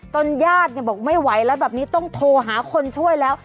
ญาติบอกไม่ไหวแล้วแบบนี้ต้องโทรหาคนช่วยแล้ว